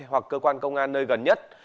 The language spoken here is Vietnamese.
hoặc cơ quan công an nơi gần nhất